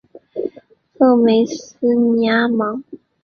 勒梅斯尼阿芒。